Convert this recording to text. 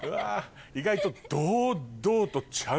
意外と。